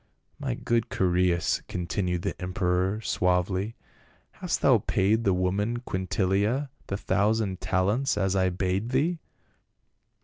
" My good Chaereas," continued the emperor suavely, " hast thou paid the woman Quintilia the thousand talents, as I bade thee?"